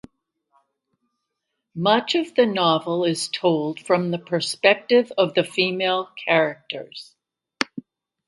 Much of the novel is told from the perspective of the female characters.